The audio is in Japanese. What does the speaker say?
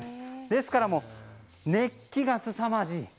ですから、熱気がすさまじい。